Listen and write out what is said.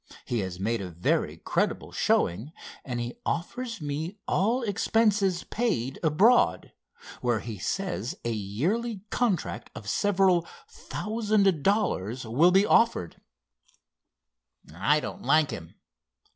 He has made a very creditable showing—and he offers me all expenses paid abroad, where he says a yearly contract of several thousand dollars will be offered." "I don't like him.